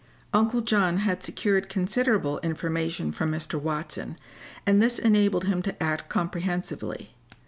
Uncle John had secured considerable information from Mr. Watson, and this enabled him to act comprehensively.